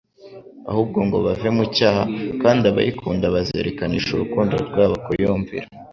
ahubwo ngo bave mu cyaha; kandi abayikunda bazerekanisha urukundo rwabo kuyumvira.